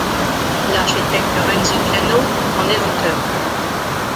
L'architecte Renzo Piano en est l'auteur.